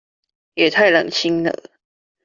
也太冷清了